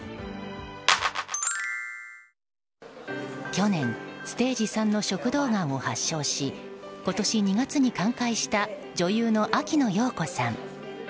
去年、ステージ３の食道がんを発症し今年２月に寛解した女優の秋野暢子さん。